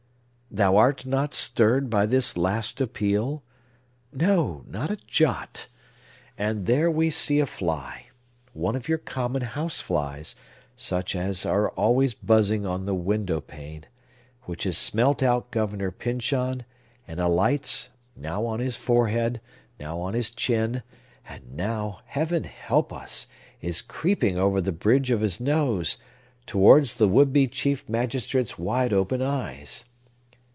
Thou art not stirred by this last appeal? No, not a jot! And there we see a fly,—one of your common house flies, such as are always buzzing on the window pane,—which has smelt out Governor Pyncheon, and alights, now on his forehead, now on his chin, and now, Heaven help us! is creeping over the bridge of his nose, towards the would be chief magistrate's wide open eyes!